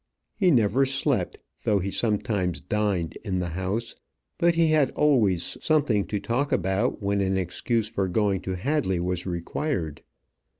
He never slept, though he sometimes dined in the house; but he had always something to talk about when an excuse for going to Hadley was required.